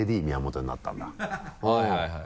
はいはいはい。